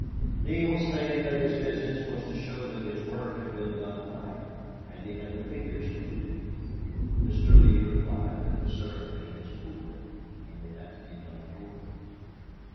Neale stated that his business was to show that his work had been done right, and he had the figures to prove it. Mr. Lee replied that the survey was poor and would have to be done over.